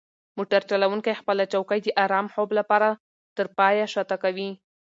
موټر چلونکی خپله چوکۍ د ارام خوب لپاره تر پایه شاته کوي.